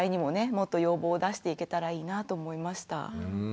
もっと要望を出していけたらいいなと思いました。